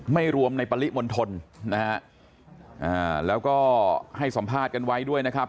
ไม่รวมในปริมณฑลนะฮะอ่าแล้วก็ให้สัมภาษณ์กันไว้ด้วยนะครับ